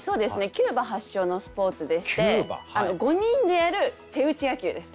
キューバ発祥のスポーツでして５人でやる手打ち野球です。